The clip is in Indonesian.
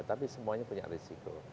tapi semuanya punya risiko